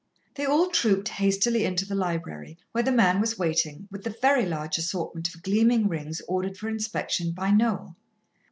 They all trooped hastily into the library, where the man was waiting, with the very large assortment of gleaming rings ordered for inspection by Noel.